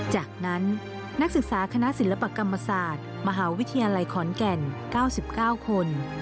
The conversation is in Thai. จากนั้นนักศึกษาคณะศิลปกรรมศาสตร์มหาวิทยาลัยขอนแก่น๙๙คน